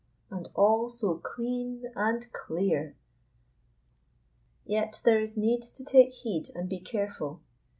And all so clean and clear! Yet there is need to take heed and be careful.